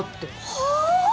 はあ！？